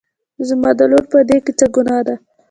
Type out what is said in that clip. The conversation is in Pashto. زما د لور په دې کې څه ګناه ده